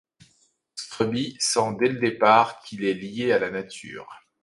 Scrubby sent dès le départ qu'il est lié à la nature.